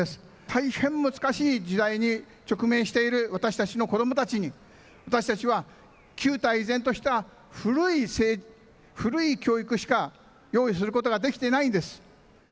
大変難しい時代に直面している私たちの子どもたちに、私たちは旧態依然とした古い教育しか用意することができていないんです。